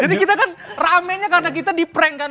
jadi kita kan ramainya karena kita di prank kan